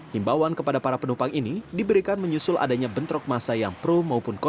himbawan kepada para penumpang ini diberikan menyusul adanya bentrok masa yang pro maupun kontra